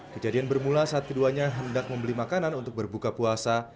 kejadian bermula saat keduanya hendak membeli makanan untuk berbuka puasa